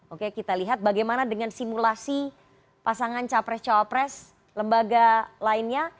oke kita lihat bagaimana dengan simulasi pasangan capres cawapres lembaga lainnya